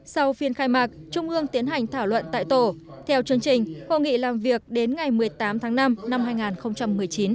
sau phiên khai mạc trung ương tiến hành thảo luận tại tổ theo chương trình hội nghị làm việc đến ngày một mươi tám tháng năm năm hai nghìn một mươi chín